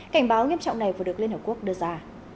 cảnh báo nghiêm trọng này vừa được liên hợp quốc đưa ra